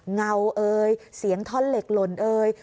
เงาเอ่ยเสียงท่อนเหล็กหล่นเอ่ย